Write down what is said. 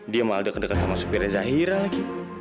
dia malah deket deket sama supirnya zahira lagi